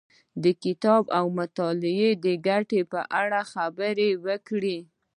د کتاب او مطالعې د ګټو په اړه خبرې وکړې.